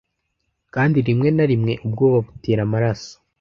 Kandi rimwe na rimwe ubwoba butera amaraso